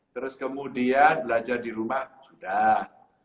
terus kemudian belajar di rumah sudah